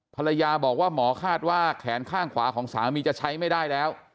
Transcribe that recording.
ภรรยาบอกว่าหมอคาดว่าแขนข้างขวาของสามีจะใช้ไม่ได้แล้ว